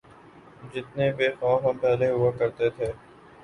جتنے بے خوف ہم پہلے ہوا کرتے تھے۔